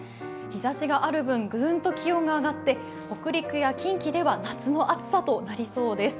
日ざしがある分、グーンと気温が上がって、北陸や近畿では夏の暑さとなりそうです。